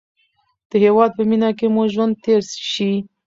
د هېواد په مینه کې مو ژوند تېر شي.